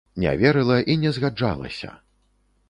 Не верыла і не згаджалася!